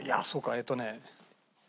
えっとね。